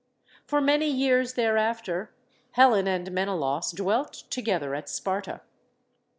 For many years thereafter, Helen and Menelaus dwelt together at Sparta.